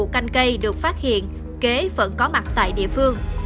từ khi vụ canh cây được phát hiện kế vẫn có mặt tại địa phương